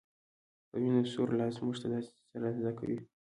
په وينو سور لاس موږ ته داسې څه را زده کوي